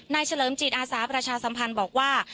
เฉลิมจิตอาสาประชาสัมพันธ์บอกว่า